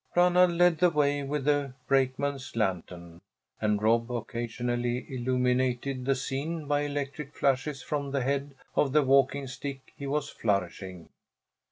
Ranald led the way with a brakeman's lantern, and Rob occasionally illuminated the scene by electric flashes from the head of the walking stick he was flourishing.